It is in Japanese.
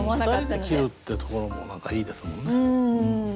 ２人で切るってところも何かいいですもんね。